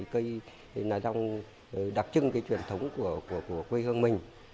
cây lá rong đặc trưng cái truyền thống của quê hương mình